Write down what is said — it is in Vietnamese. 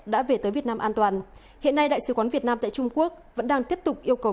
đã về tới việt nam an toàn hiện nay đại sứ quán việt nam tại trung quốc vẫn đang tiếp tục yêu cầu